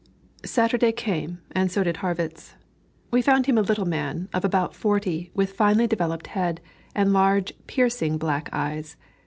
Saturday came, and so did Harrwitz. We found him a little man, of about forty, with finely developed head, and large, piercing black eyes.